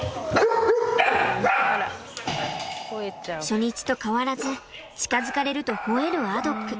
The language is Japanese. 初日と変わらず近づかれるとほえるアドック。